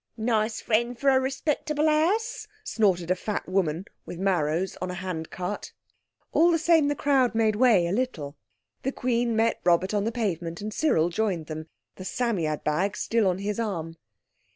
"Nice friend for a respectable house," snorted a fat woman with marrows on a handcart. All the same the crowd made way a little. The Queen met Robert on the pavement, and Cyril joined them, the Psammead bag still on his arm.